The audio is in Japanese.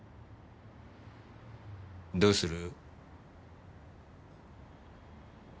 どうする？